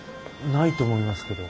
ないと思いますけど。